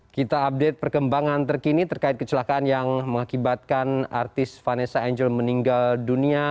kita update perkembangan terkini terkait kecelakaan yang mengakibatkan artis vanessa angel meninggal dunia